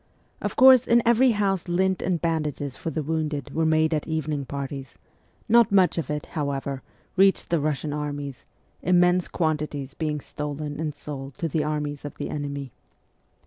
Of course, in every house lint and bandages for the wounded were made at evening parties ; not much of it, however, reached the Russian armies, immense quantities being stolen and sold to the armies of the enemy.